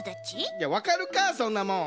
いやわかるかそんなもん！